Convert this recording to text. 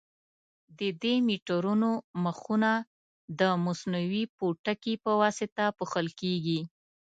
د دې میټرونو مخونه د مصنوعي پوټکي په واسطه پوښل کېږي.